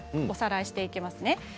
おさらいしていきますね。